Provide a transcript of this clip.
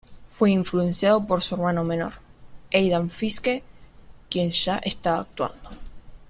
Fue influenciado por su hermano menor, Aidan Fiske, quien ya estaba actuando.